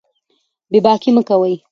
بې باکي مه کوئ.